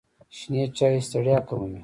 شنې چایی ستړیا کموي.